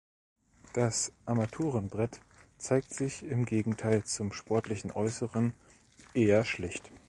Das Armaturenbrett zeigt sich im Gegenteil zum sportlichen Äußeren eher schlicht.